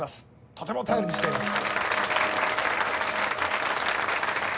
とても頼りにしています。